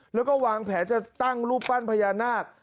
แล้วก็วางแผนจะตั้งรูปปั้นพญานาค